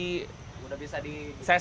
sudah bisa di seset